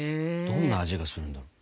どんな味がするんだろう？